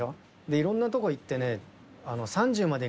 いろんなとこ行ってね。